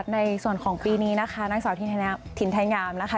ในส่วนของปีนี้นะคะนางสาวถิ่นไทยงามนะคะ